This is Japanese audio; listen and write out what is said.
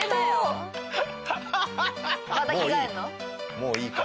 もういいよ。